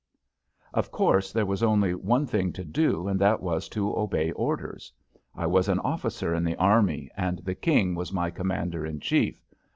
Of course, there was only one thing to do and that was to obey orders. I was an officer in the army and the King was my commander in chief.